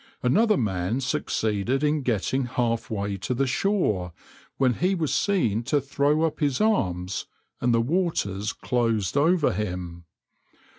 Another man succeeded in getting half way to the shore, when he was seen to throw up his arms, and the waters closed over him.